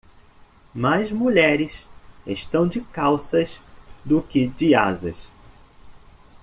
Mais mulheres estão de calças do que de asas.